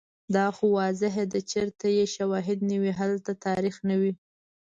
دا خو واضحه ده چیرته چې شوهد نه وي، هلته تاریخ نه وي